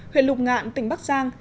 huyện lục ngạn tỉnh bắc giang